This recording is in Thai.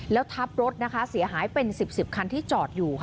แล้วทับรถนะคะเสียหายเป็น๑๐๑๐คันที่จอดอยู่ค่ะ